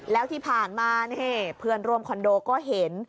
แล้วที่ผ่านมาเพื่อนร่วมคอนโดก็เห็น